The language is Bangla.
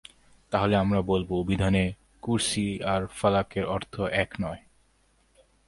তাহলে আমরা বলব, অভিধানে কুরসী আর ফালাক-এর অর্থ এক নয়।